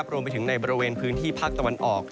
รวมไปถึงในบริเวณพื้นที่ภาคตะวันออก